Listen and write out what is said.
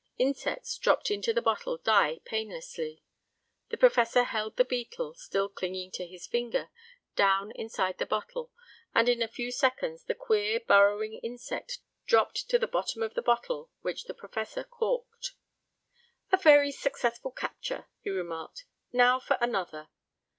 Insects dropped into the bottle die painlessly. The professor held the beetle, still clinging to his finger, down inside the bottle, and in a few seconds the queer, burrowing insect dropped to the bottom of the bottle, which the professor corked. "A very successful capture," he remarked. "Now for another."